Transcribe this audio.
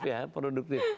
berusaha untuk produktif